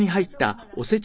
おせち。